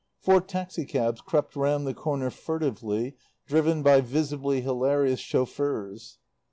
Four taxi cabs crept round the corner furtively, driven by visibly hilarious chauffeurs.